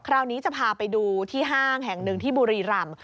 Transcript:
คราวนี้จะพาไปดูที่ห้างแห่งหนึ่งที่บุรีรำ